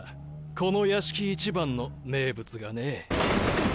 この屋敷一番の名物がね。